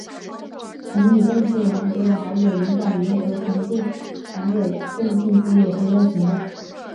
曾与邓萃雯合作的好友林保怡和前度男友郑敬基也纷纷评论。